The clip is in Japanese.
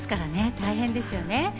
大変ですよね。